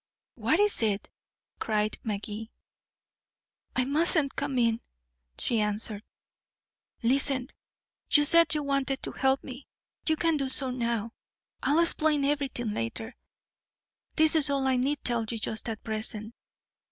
"What is it?" cried Magee. "I mustn't come in," she answered. "Listen. You said you wanted to help me. You can do so now. I'll explain everything later this is all I need tell you just at present.